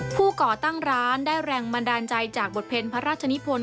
ก่อตั้งร้านได้แรงบันดาลใจจากบทเพลงพระราชนิพล